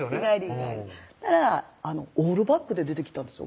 日帰りたらオールバックで出てきたんですよ